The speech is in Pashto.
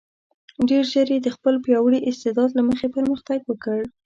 ډېر ژر یې د خپل پیاوړي استعداد له مخې پرمختګ وکړ.